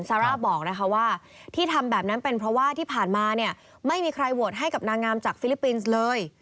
ซาร่าบอกนะคะว่าที่ทำแบบนั้นเป็นเพราะว่าที่ผ่านมาเนี่ยไม่มีใครโหวตให้กับนางงามจากฟิลิปปินส์เลย